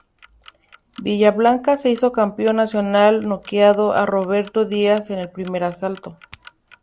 Villablanca se hizo campeón nacional noqueando a Roberto Díaz en el primer asalto.